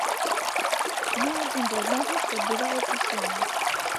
Ну адзін да аднаго, што адбываецца сёння.